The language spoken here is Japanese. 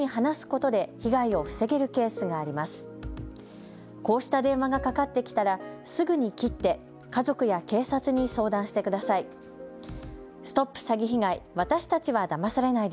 こうした電話がかかってきたらすぐに切って家族や警察に相談してください。